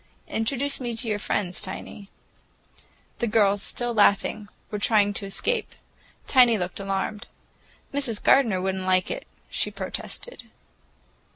Introduce me to your friends, Tiny." The girls, still laughing, were trying to escape. Tiny looked alarmed. "Mrs. Gardener would n't like it," she protested.